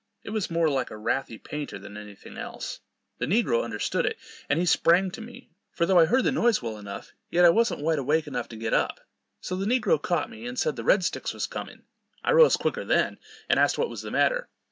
It was more like a wrathy painter than any thing else. The negro understood it, and he sprang to me; for tho' I heard the noise well enough, yet I wasn't wide awake enough to get up. So the negro caught me, and said the red sticks was coming. I rose quicker then, and asked what was the matter?